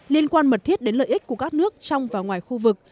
liên quan mật thiết đến lợi ích của các nước trong và ngoài khu vực